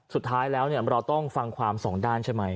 สุดท้ายแล้วเราต้องฟังความสองด้านใช่ไหม